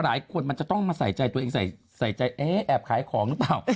หลายคนจะต้องมาใส่ใจตัวเองไฟใจแอบขายของหรือเปล่า